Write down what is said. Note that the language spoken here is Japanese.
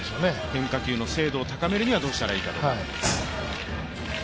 変化球の精度を高めるのにはどうしたらいいかとか。